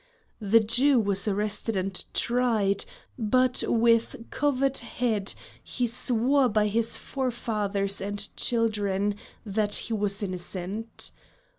The Jew was arrested and tried, but with covered head he swore by his forefathers and children that he was innocent.